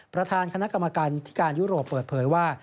ประธานคณะกรรมการที่การยุโรปเปิดเผยว่า